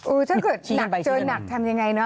อื้อถ้าเกิดหนักเจอนหนักทำอย่างไร